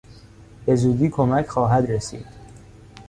به زودی کمک خواهد رسید.